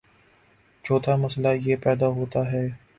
چوتھا مسئلہ یہ پیدا ہوتا ہے